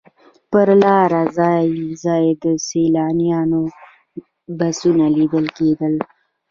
پر لاره ځای ځای د سیلانیانو بسونه لیدل کېدل.